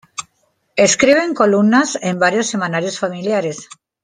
Escribe en columnas en varios semanarios familiares.